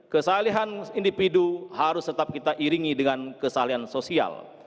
kesalihan individu harus tetap kita iringi dengan kesalihan sosial